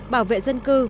bảo vệ dân cư